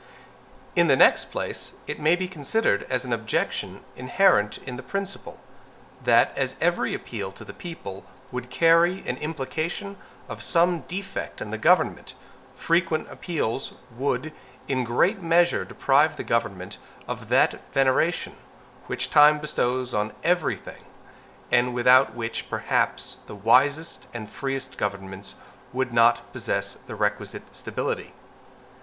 In the next place, it may be considered as an objection inherent in the principle, that as every appeal to the people would carry an implication of some defect in the government, frequent appeals would, in a great measure, deprive the government of that veneration which time bestows on every thing, and without which perhaps the wisest and freest governments would not possess the requisite stability.